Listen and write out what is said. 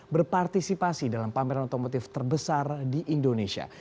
berpartisipasi dalam pameran otomotif terbesar di indonesia